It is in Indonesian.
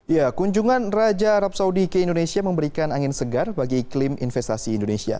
ya kunjungan raja arab saudi ke indonesia memberikan angin segar bagi iklim investasi indonesia